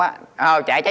trả trái chủ